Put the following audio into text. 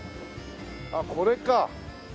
あっこれか。